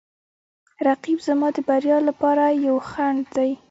رقیب زما د بریا لپاره یو خنډ دی